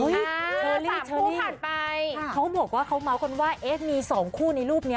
เฮอรี่ฉอมพูดผ่านไปเขาบอกว่าเขาม้าวคนว่าเอ๊ะมีสองคู่ในรูปนี้